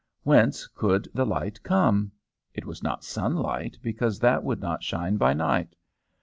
Whence could the light come? It was not sunlight, because that would not shine by night.